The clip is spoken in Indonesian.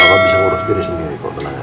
papa bisa urus diri sendiri